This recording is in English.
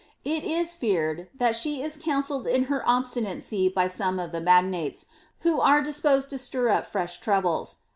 It is feared, that she is counselled in her obstinacy by some of the magnates, who are disposed to stir up fresh troubles.